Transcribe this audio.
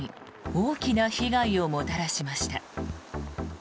大きな被害をもたらしました。